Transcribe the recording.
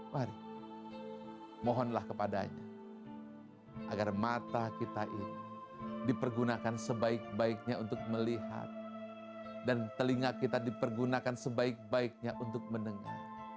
mari mohonlah kepadanya agar mata kita ini dipergunakan sebaik baiknya untuk melihat dan telinga kita dipergunakan sebaik baiknya untuk mendengar